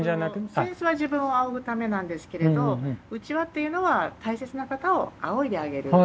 扇子は自分をあおぐためなんですけれどうちわっていうのは大切な方をあおいであげる。